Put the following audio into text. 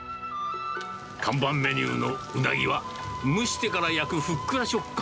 看板メニューのうなぎは、蒸してから焼くふっくら食感。